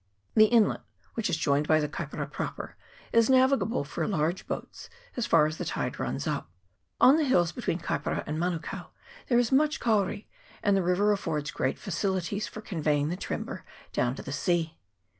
The inlet, which is joined by the Kaipara proper, is navigable for large boats as far as the tide runs up. On the hills between Kaipara and Manukao there is much kauri, and the river affords great fa cilities for conveying the timber down to the sea.